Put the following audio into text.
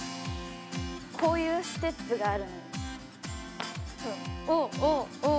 こういうステップがある。